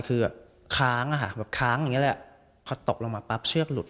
คือค้างอะค่ะแบบค้างอย่างนี้แหละพอตกลงมาปั๊บเชือกหลุด